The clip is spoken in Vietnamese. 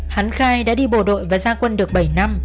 hắn khai đã đi bộ đội và gia quân được bảy năm